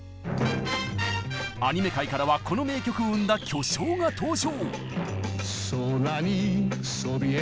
アニメ界からはこの名曲を生んだ巨匠が登場！